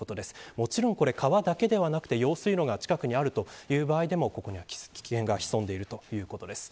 もちろん川だけでなく用水路が近くにあるという場合でも危険が潜んでいるということです。